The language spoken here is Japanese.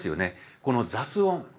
この雑音。